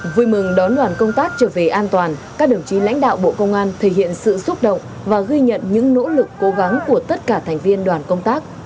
vui mừng đón đoàn công tác trở về an toàn các đồng chí lãnh đạo bộ công an thể hiện sự xúc động và ghi nhận những nỗ lực cố gắng của tất cả thành viên đoàn công tác